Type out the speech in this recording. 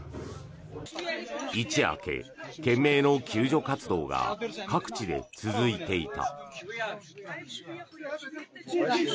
一夜明け、懸命の救助活動が各地で続いていた。